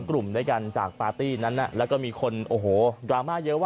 กลุ่มด้วยกันจากปาร์ตี้นั้นแล้วก็มีคนโอ้โหดราม่าเยอะว่า